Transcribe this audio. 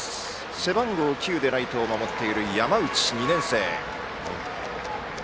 背番号９でライトを守っている山内、２年生。